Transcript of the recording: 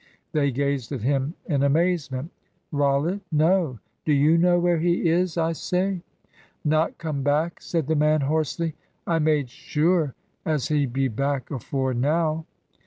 They gazed at him in amazement. "Rollitt? no. Do you know where he is, I say?" "Not come back?" said the man, hoarsely. "I made sure as he'd be back afore now."